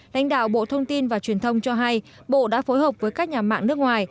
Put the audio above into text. lãnh đạo bộ thông tin và truyền thông cho hay bộ đã phối hợp với các nhà mạng nước ngoài